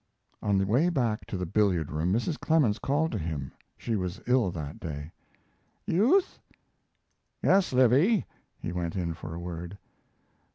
On the way back to the billiard room Mrs. Clemens called to him. She was ill that day. "Youth!" "Yes, Livy." He went in for a word.